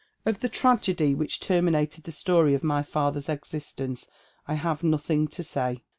" Of the tragedy which terminated the story of my father's existence I have nothing to say.